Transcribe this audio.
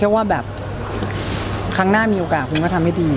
ว่าแบบครั้งหน้ามีโอกาสคุณก็ทำให้ดี